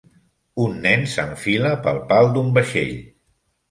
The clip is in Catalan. Un nen s'enfila pel pal d'un vaixell.